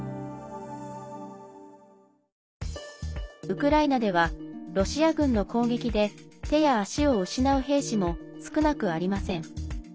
ウクライナではロシア軍の攻撃で手や足を失う兵士も少なくありません。